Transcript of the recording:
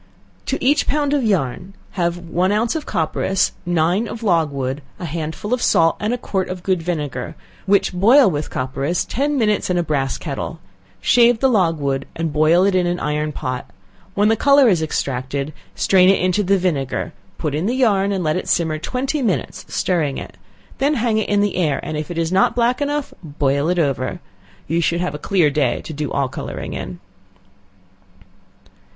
To each pound of yarn, have one ounce of copperas, nine of logwood, a handful of salt, and a quart of good vinegar, which boil with copperas ten minutes in a brass kettle; shave the logwood, and boil it in an iron pot; when the color is extracted, strain it into the vinegar; put in the yarn, and let it simmer twenty minutes stirring it; then hang it in the air, and if it is not black enough, boil it over. You should have a clear day to do all coloring in.